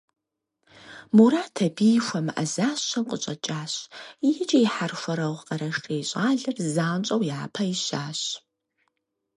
Мурат абыи хуэмыӏэзащэу къыщӏэкӏащ икӏи и хьэрхуэрэгъу къэрэшей щӏалэр занщӏэу япэ ищащ.